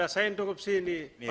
saya indukup sini